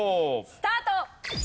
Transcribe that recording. スタート！